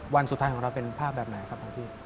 วันสุดท้ายของเราเป็นภาพแบบไหนครับของพี่